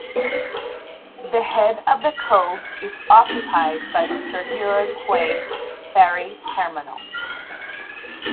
The head of the cove is occupied by the Circular Quay ferry terminal.